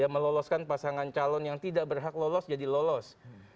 meloloskan pasangan calon yang tidak berhak lolos jadi lolos